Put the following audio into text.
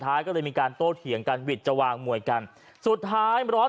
ท้ายก็เลยมีการโต้เถียงกันวิทย์จะวางมวยกันสุดท้ายร้อน